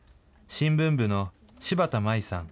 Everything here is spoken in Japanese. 新聞部の柴田茉依さん